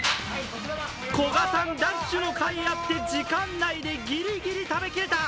古賀さん、ダッシュのかいあって時間内でぎりぎり食べきれた。